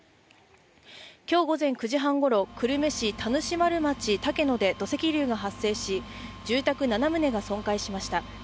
今日午前９時半ごろ、久留米市田主丸町竹野で土石流が発生し住宅７棟が損壊しました。